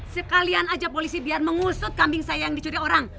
sekalian aja polisi biar mengusut kambing saya yang dicuri orang